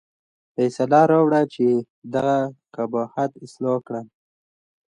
فیصله راوړه چې دغه قباحت اصلاح کړم.